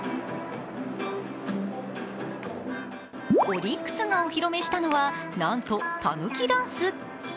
オリックスがお披露目したのはなんとたぬきダンス。